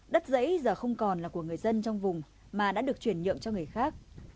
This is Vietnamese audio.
đất giấy giờ không còn là của người dân trong vùng mà đã được chuyển nhượng cho người khác